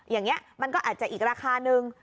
อย่างนี้มันก็อาจจะอีกราคานึง